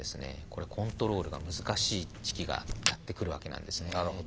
これコントロールが難しい時期がやって来るわけなんですね。